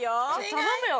頼むよ！